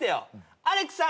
アレクさん